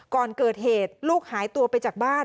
ก่อนเกิดเหตุลูกหายตัวไปจากบ้าน